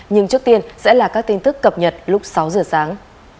nhưng trước tiên sẽ là các tin tức cập nhật lúc sáu giờ sáng